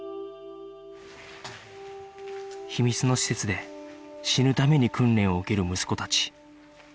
秘密の施設で死ぬために訓練を受ける息子たち